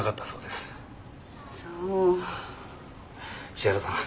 石原さん